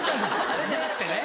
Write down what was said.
あれじゃなくてね。